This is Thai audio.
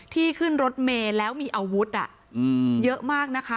ที่ขึ้นรถเมย์แล้วมีอาวุธเยอะมากนะคะ